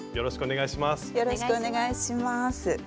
よろしくお願いします。